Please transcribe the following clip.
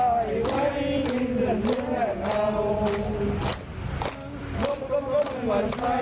แต่วันนั้นกล่างเผาข้าท้องเขาจึงยังสาขัย